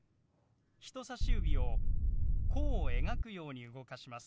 人さし指を弧を描くように動かします。